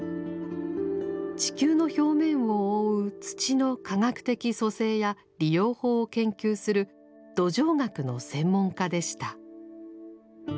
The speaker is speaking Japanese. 地球の表面を覆う土の科学的組成や利用法を研究する土壌学の専門家でした。